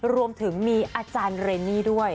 รวมถึงมีอาจารย์เรนนี่ด้วย